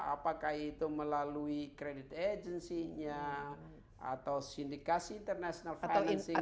apakah itu melalui kredit agensinya atau sindikasi internasional financingnya